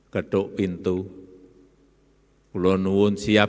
ketuk pintu pulau nuun siap